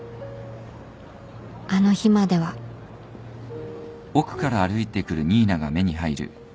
あの日まではあっ。